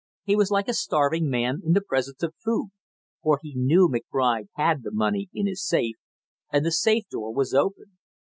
He was like a starving man in the presence of food, for he knew McBride had the money in his safe and the safe door was open.